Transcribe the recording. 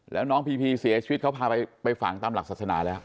แล้วน้องพีพีเสียชีวิตเขาพาไปฝังตามหลักศาสนาแล้ว